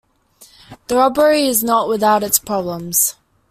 The robbery is not without its problems.